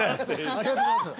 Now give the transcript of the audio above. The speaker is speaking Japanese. ありがとうございます。